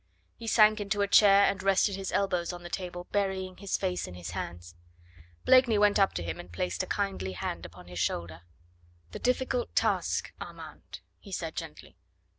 He sank into a chair and rested his elbows on the table, burying his face in his hands. Blakeney went up to him and placed a kindly hand upon his shoulder. "The difficult task, Armand," he said gently.